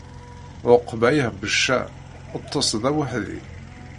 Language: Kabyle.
Ɛukba l ɣbecca, ṭṭes d aweḥdi.